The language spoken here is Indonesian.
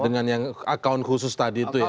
dengan yang account khusus tadi itu ya